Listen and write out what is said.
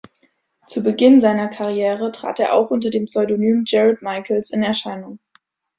Zu Beginn seiner Karriere trat er auch unter dem Pseudonym Jared Michaels in Erscheinung.